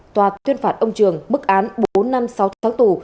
tòa tuyên phạt ông trường mức án bốn năm sáu tháng tù